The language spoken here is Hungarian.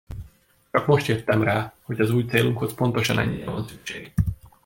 Csak most jöttem rá, hogy az új célunkhoz pontosan ennyire van szükség.